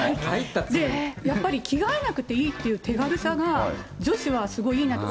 やっぱり着替えなくていいっていう手軽さが、女子はすごいいいなと。